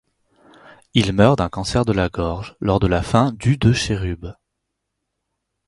Il meurt d'un cancer de la gorge lors de la fin du de Cherub.